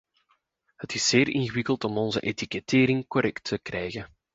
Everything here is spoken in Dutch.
Het is zeer ingewikkeld om onze etikettering correct te krijgen.